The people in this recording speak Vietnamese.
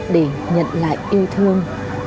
để nhận lại yêu thương